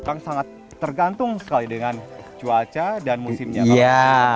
kang sangat tergantung sekali dengan cuaca dan musimnya